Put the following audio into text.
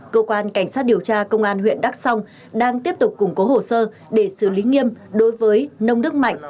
cơ quan cảnh sát điều tra công an huyện đắk song đang tiếp tục củng cố hồ sơ để xử lý nghiêm đối với nông đức mạnh